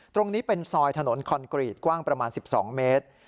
ตรงนี้เป็นซอยถนนคอนกรีตกว้างประมาณ๑๒เมตร